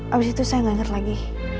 abis itu saya gak denger lagi